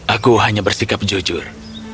aku hanya bersikap jujur